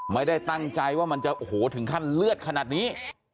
ไม่ได้ตั้งใจว่ามันจะโอ้โหถึงขั้นเลือดขนาดนี้